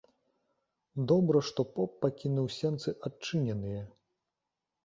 Добра, што поп пакінуў сенцы адчыненыя.